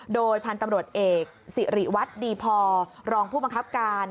โดยพันธุ์ตำรวจเอกสิริวัตรดีพอรองผู้บังคับการ